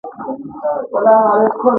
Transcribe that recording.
په هېواد کې بده وچکالي ده.